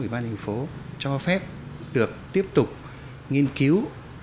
ủy ban thành phố cho phép được tiếp tục nghiên cứu